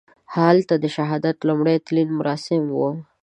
هلته د شهادت لومړي تلین مراسم وو.